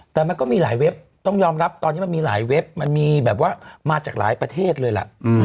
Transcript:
แต่มันก็มีหลายเว็บต้องยอมรับตอนนี้มันมีหลายเว็บมันมีแบบว่ามาจากหลายประเทศเลยล่ะ